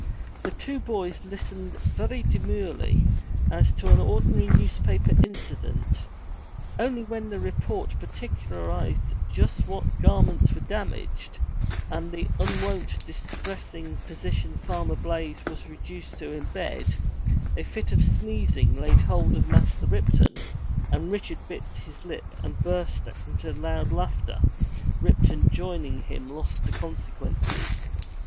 The two boys Ustened very demurely as to an ordinary newspaper incident; only when the report particularized just what garments were damaged, and the unwonted distressing position Farmer Blaize was reduced to in bed, a fit of sneezing laid hold of Master Ripton, and Richard bit his lip and burst into loud laughter, Ripton joining him lost to consequences.